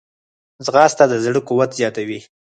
ځغاسته د زړه قوت زیاتوي